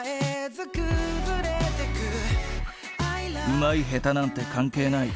うまい下手なんて関係ない。